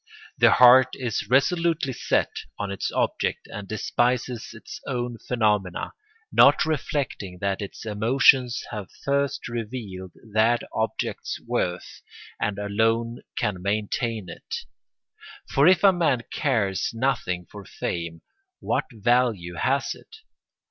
The heart is resolutely set on its object and despises its own phenomena, not reflecting that its emotions have first revealed that object's worth and alone can maintain it. For if a man cares nothing for fame, what value has it?